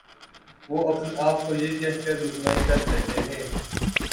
وہ اپنے آپ کو یہ کہہ کر مطمئن کر لیتے ہیں